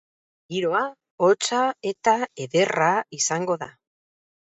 Giroa hotza eta ederra izango da.